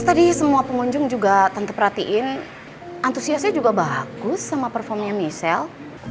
tadi semua pengunjung juga tante perhatiin antusiasnya juga bagus sama perform nya michelle